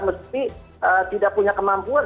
mesti tidak punya kemampuan